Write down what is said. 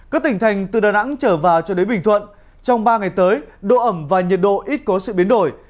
các tỉnh thành từ đà nẵng trở vào cho đến bình thuận trong ba ngày tới độ ẩm và nhiệt độ ít có sự biến đổi